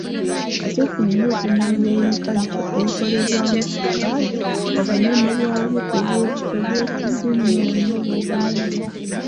Ate singa otunuulira ebikajjo ebikolebwamu sukaali, obunene bwabyo tebwesudde nnyo n’obwo obw’emmuli.